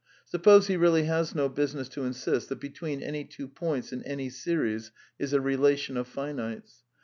Suppose he really has no business to insist that "between any two points" in any series is a relation of finites.